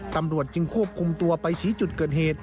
ตำรวจจึงควบคุมตัวไปชี้จุดเกิดเหตุ